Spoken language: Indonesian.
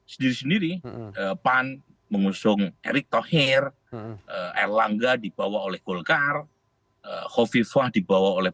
sendiri sendiri pan mengusung erick thohir erlangga dibawa oleh golkar hovifah dibawa oleh